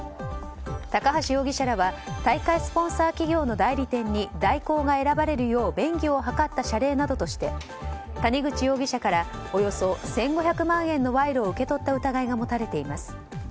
高橋容疑者らは大会スポンサー企業の代理店に大広が選ばれるよう便宜を図った謝礼などとして谷口容疑者からおよそ１５００万円の賄賂を受け取った疑いが持たれています。